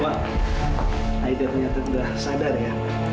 wah aida ternyata gak sadar ya